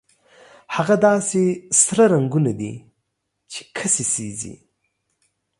هغه داسې سره رنګونه دي چې کسي سېزي.